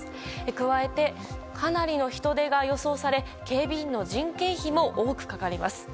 加えて、かなりの人出が予想され警備員の人件費も多くかかります。